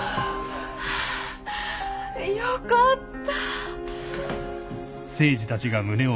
よかった。